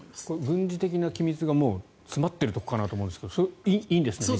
軍事的な機密が詰まっているところかなと思うんですがいいんですね。